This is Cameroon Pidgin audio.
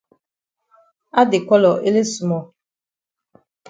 Add de colour ele small.